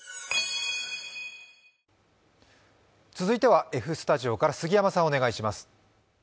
続いてはＦスタジオから杉山さん、お願いします。